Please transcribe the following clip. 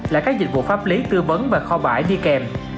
là các dịch vụ pháp lý tư vấn và kho bãi đi kèm